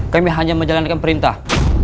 kami hanya menjalankan perintah